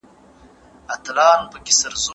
دا کلا د ډېرو نسلونو د ژوند کیسه بیانوي.